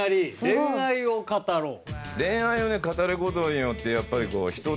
「恋愛を語ろう！」。